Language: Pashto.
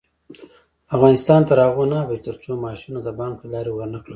افغانستان تر هغو نه ابادیږي، ترڅو معاشونه د بانک له لارې ورنکړل شي.